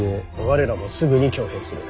我らもすぐに挙兵する。